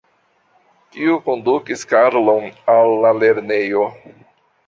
Kiu kondukis Karlon al la lernejo?